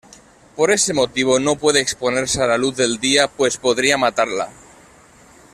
Por ese motivo no puede exponerse a la luz del día pues podría matarla.